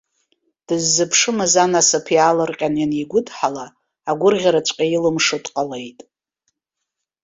Дыззыԥшымыз анасыԥ иаалырҟьаны ианигәыдҳала, агәырӷьараҵәҟьа илымшо дҟалеит.